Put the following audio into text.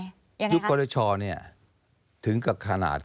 ยุคปรชอถึงกับขนาด